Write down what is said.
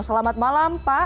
selamat malam pak